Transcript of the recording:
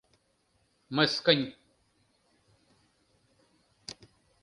— Мыскынь.